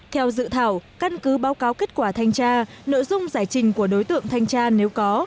theo dự thảo căn cứ báo cáo kết quả thanh tra nội dung giải trình của đối tượng thanh tra nếu có